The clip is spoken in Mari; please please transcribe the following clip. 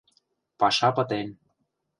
Паша пытен.